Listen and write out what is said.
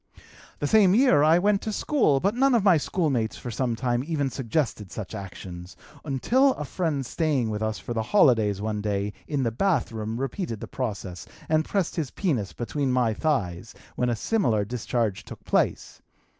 "The same year I went to school, but none of my schoolmates for some time even suggested such actions until a friend staying with us for the holidays one day in the bathroom repeated the process and pressed his penis between my thighs, when a similar discharge took place.